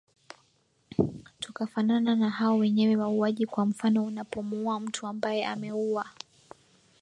tukafanana na hao wenyewe wauwaji kwa mfano unapomuuwa mtu ambaye ameuwa